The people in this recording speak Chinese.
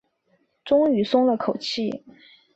终于松了口气